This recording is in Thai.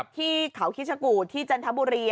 ที่เขาคิชกูที่จันทบุรี